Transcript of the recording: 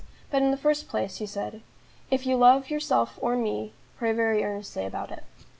"But in the first place," he said, "if you love yourself or me, pray very earnestly about it."